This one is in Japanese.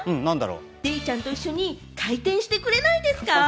デイちゃんと一緒に回転してくれないですか？